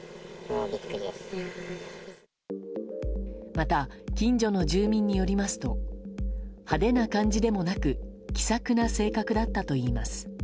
また、近所の住民によりますと派手な感じでもなく気さくな性格だったといいます。